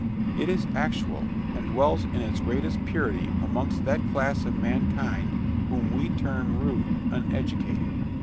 It is actual, and dwells in its greatest purity amongst that class of mankind whom we term rude, uneducated.